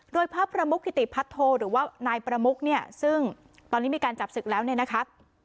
โดยพระประมุกธิติพัทโทหรือว่านายประมุกเนี่ยซึ่งตอนนี้มีการจับศึกแล้วเนี่ยนะคะ